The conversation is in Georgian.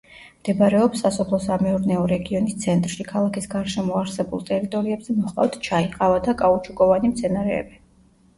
მდებარეობს სასოფლო-სამეურნეო რეგიონის ცენტრში, ქალაქის გარშემო არსებულ ტერიტორიებზე მოჰყავთ ჩაი, ყავა და კაუჩუკოვანი მცენარეები.